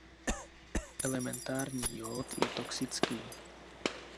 Elementární jod je toxický.